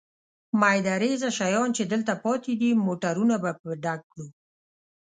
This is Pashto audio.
مېده رېزه شیان چې دلته پاتې دي، موټرونه به په ډک کړو.